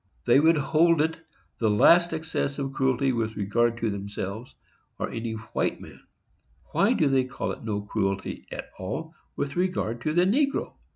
They would hold it the last excess of cruelty with regard to themselves, or any white man; why do they call it no cruelty at all with regard to the negro?